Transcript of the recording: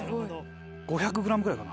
５００ｇぐらいかな？